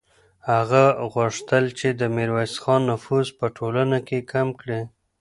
هغه غوښتل چې د میرویس خان نفوذ په ټولنه کې کم کړي.